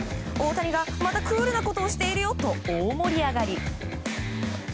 オオタニがまたクールなことをしているよと大盛り上がり。